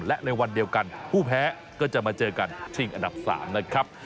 และในวันเดียวกันผู้แพ้ก็จะมาเจอกันชิงอันดับ๓นะครับ